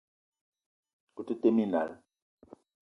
O te tee minal.